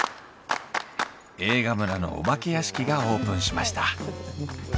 映画村のお化け屋敷がオープンしました。